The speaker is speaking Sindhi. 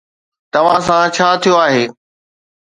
توهان سان ڇا ٿيو آهي؟